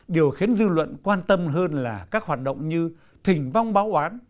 điều khiến dư luận quan tâm hơn là các hoạt động như thỉnh vong báo án